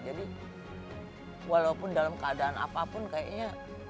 jadi walaupun dalam keadaan apapun kayaknya